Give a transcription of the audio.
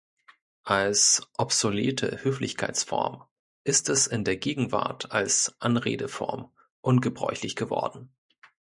Als obsolete Höflichkeitsform ist es in der Gegenwart als Anredeform ungebräuchlich geworden.